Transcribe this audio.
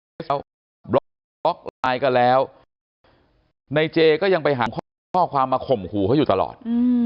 แล้วบล็อกไลน์กันแล้วในเจก็ยังไปหาข้อความมาข่มหูเขาอยู่ตลอด